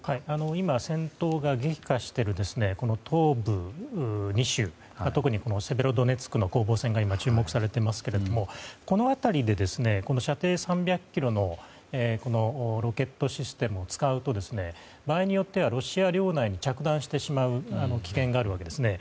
今、戦闘が激化している東部２州特にセベロドネツクの攻防戦が注目されていますがこの辺りで射程３００ｋｍのロケットシステムを使うと、場合によってはロシア領内に着弾してしまう危険があるわけですね。